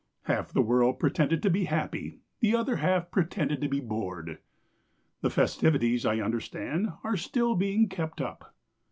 Half the world pretended to be happy, The other half pretended to be bored. The festivities, I understand, Are still being kept up.